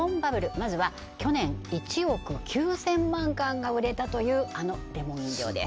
まずは去年１億９０００万缶が売れたというあのレモン飲料です